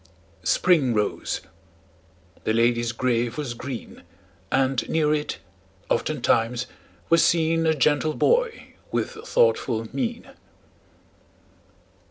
Spring rose; the lady's grave was green; And near it, oftentimes, was seen A gentle boy with thoughtful mien.